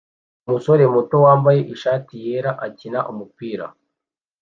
Umusore muto wambaye ishati yera akina umupira